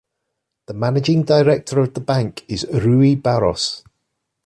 The managing director of the bank is Rui Barros.